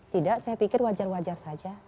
tidak saya pikir wajar wajar saja